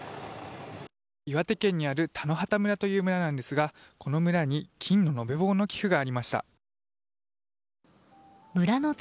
岩手県にある田野畑村という村なんですがこの村に金の延べ棒の寄付がありました。